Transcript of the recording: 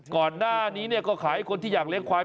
ก่อนหน้านี้ก็ขายให้คนที่อยากเลี้ยควาย